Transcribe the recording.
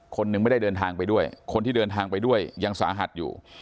คนหนึ่งไม่ได้เดินทางไปด้วยคนที่เดินทางไปด้วยยังสาหัสอยู่